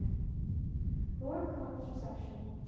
LORD CROMER'S RECEPTION.